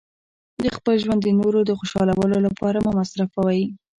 خپل ژوند د نورو د خوشحالولو لپاره مه مصرفوئ.